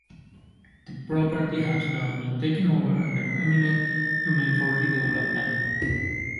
The property has now been taken over under eminent domain for redevelopment.